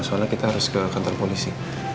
soalnya kita harus ke kantor polisi